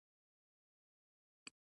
فاریاب د افغانستان د طبیعي زیرمو برخه ده.